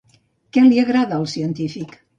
Què li agrada al científic?